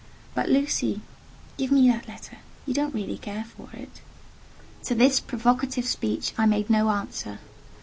But, Lucy, give me that letter—you don't really care for it." To this provocative speech I made no answer.